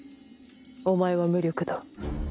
お前は無力だ。